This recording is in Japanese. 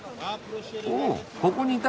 おここにいたの。